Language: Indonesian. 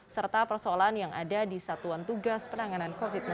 serta persoalan yang ada di satuan tugas penanganan covid sembilan belas